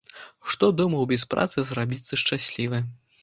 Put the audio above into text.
Што думаў без працы зрабіцца шчаслівы.